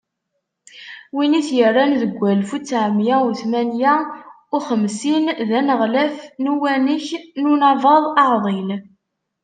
Win i t-yerran deg walef u ttɛemya u tmenya u xemsin d aneɣlaf n uwanek n Unabaḍ Uɛḍil.